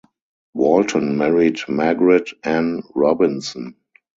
Walton married Margaret Ann Robinson.